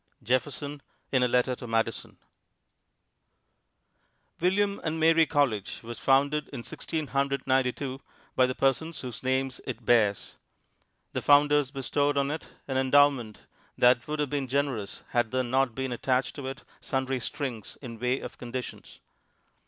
Jefferson, in a Letter to Madison [Illustration: THOMAS JEFFERSON] William and Mary College was founded in Sixteen Hundred Ninety two by the persons whose names it bears. The founders bestowed on it an endowment that would have been generous had there not been attached to it sundry strings in way of conditions.